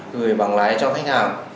trả lời cho khách hàng